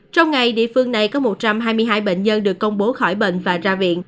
trong ngày địa phương này có một trăm hai mươi hai bệnh nhân được công bố khỏi bệnh và ra viện